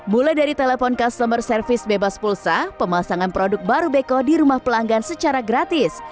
mulai dari telepon customer service bebas pulsa pemasangan produk baru beko di rumah pelanggan secara gratis